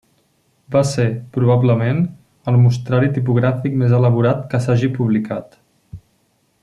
Va ser, probablement, el mostrari tipogràfic més elaborat que s'hagi publicat.